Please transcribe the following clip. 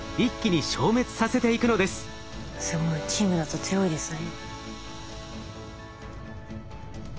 すごい。チームだと強いですね。